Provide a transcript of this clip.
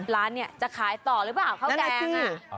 ร้านเนี่ยจะขายต่อหรือเปล่าข้าวแกง